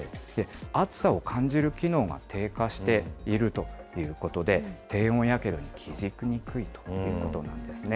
熱さを感じる機能が低下しているということで、低温やけどに気付きにくいということなんですね。